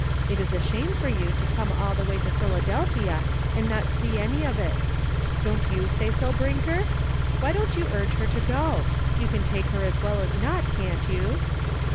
It is a shame for you to come all the way to Philadelphia and not see any of it. Don't you say so, Brinker? Why don't you urge her to go ? You can take her as well as not, can't you